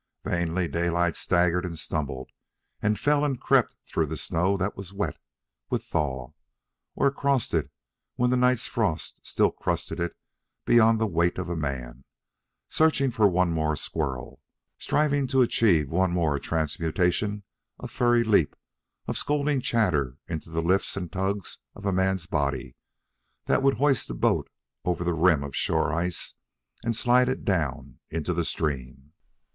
Vainly Daylight staggered and stumbled and fell and crept through the snow that was wet with thaw, or across it when the night's frost still crusted it beyond the weight of a man, searching for one more squirrel, striving to achieve one more transmutation of furry leap and scolding chatter into the lifts and tugs of a man's body that would hoist the boat over the rim of shore ice and slide it down into the stream.